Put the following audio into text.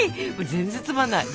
全然つまんない。